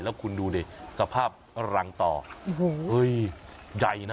แล้วคุณดูสภาพรังต่อเฮ่ยใหญ่นะ